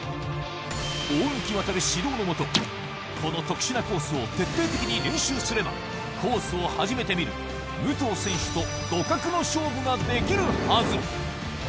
大貫渉指導の下、この特殊なコースを徹底的に練習すれば、コースを初めて見る武藤選手と互角の勝負ができるはず。